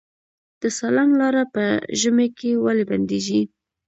د سالنګ لاره په ژمي کې ولې بندیږي؟